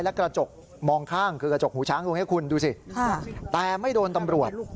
และกระจกมองข้างคือกระจกหูช้างตรงนี้คุณดูสิแต่ไม่โดนตำรวจ